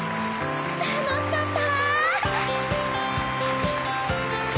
楽しかった！